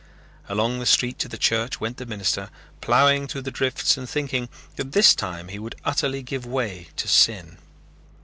Along the street to the church went the minister, plowing through the drifts and thinking that this time he would utterly give way to sin.